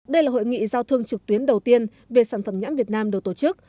đây là hội nghị giao thương trực tuyến đầu tiên về sản phẩm nhãn việt nam được tổ chức